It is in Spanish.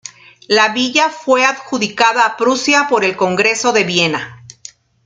La villa fue adjudicada a Prusia por el Congreso de Viena.